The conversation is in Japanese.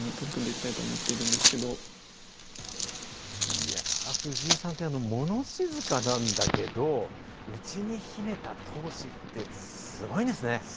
いや、藤井さんって、物静かなんだけれども、内に秘めた闘志ってすごいんですね。